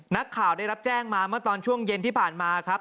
นักข่าวได้รับแจ้งมาเมื่อตอนช่วงเย็นที่ผ่านมาครับ